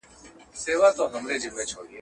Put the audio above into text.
او چي سېل سي د پیل زور نه په رسیږي !.